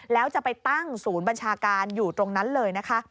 แล้วจะไปตั้งศูนย์บัญชาการอยู่ตรงนั้นเลยนะคะ